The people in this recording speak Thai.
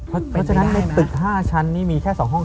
เพราะฉะนั้นในตึก๕ชั้นนี่มีแค่๒ห้อง